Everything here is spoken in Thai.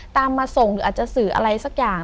มาส่งหรืออาจจะสื่ออะไรสักอย่าง